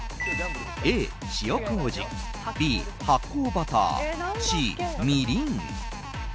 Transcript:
Ａ、塩麹Ｂ、発酵バターＣ、みりん。